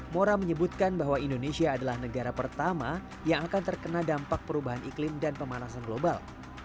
mora menyebutkan bahwa indonesia adalah negara pertama yang akan terkena dampak perubahan iklim dan pemanasan global